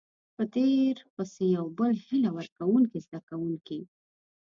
په تير پسې يو بل هيله ورکوونکۍ زده کوونکي